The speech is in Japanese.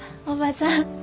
おばさん。